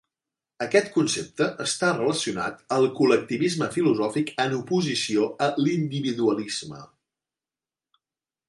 Aquest concepte està relacionat al col·lectivisme filosòfic en oposició a l'individualisme.